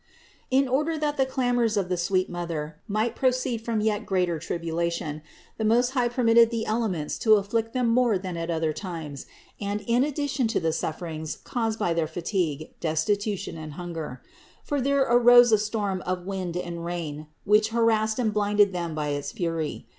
633. In order that the clamors of the sweetest Mother might proceed from yet greater tribulation, the Most High permitted the elements to afflict them more than at other times and in addition to the sufferings caused by their fatigue, destitution and hunger. For there arose a storm of wind and rain, which harassed and blinded them by its fury.